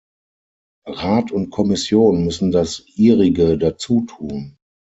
Rat und Kommission müssen das ihrige dazu tun.